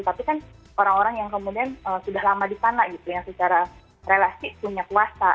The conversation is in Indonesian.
tapi kan orang orang yang kemudian sudah lama di sana gitu yang secara relasi punya kuasa